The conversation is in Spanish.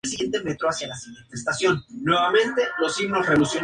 Además, Overbeck no puede ser simplemente considerado un teólogo sin más o de oficio.